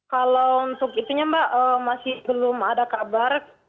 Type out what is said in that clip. kalau untuk itunya mbak masih belum ada kabar